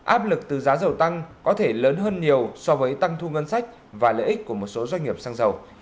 áp lực từ giá dầu tăng có thể lớn hơn nhiều so với tăng thu ngân sách và lợi ích của một số doanh nghiệp xăng dầu